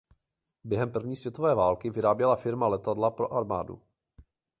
Během první světové války vyráběla firma letadla pro armádu.